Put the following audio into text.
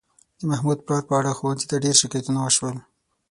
د محمود پلار په اړه ښوونځي ته ډېر شکایتونه وشول.